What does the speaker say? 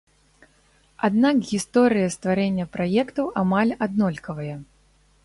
Аднак гісторыя стварэння праектаў амаль аднолькавая.